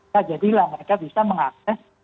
nah jadilah mereka bisa mengakses